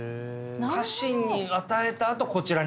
家臣に与えたあとこちらに来てると。